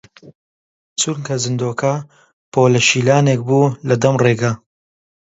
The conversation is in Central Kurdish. چونکە جندۆکە پۆلە شیلانێک بوو لە دەم ڕێگە